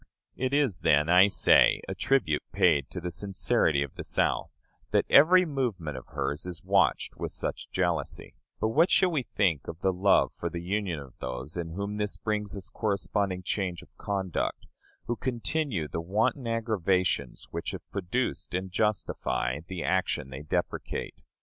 It is, then, I say, a tribute paid to the sincerity of the South, that every movement of hers is watched with such jealousy; but what shall we think of the love for the Union of those in whom this brings us corresponding change of conduct, who continue the wanton aggravations which have produced and justify the action they deprecate?